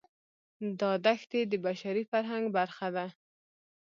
دا دښتې د بشري فرهنګ برخه ده.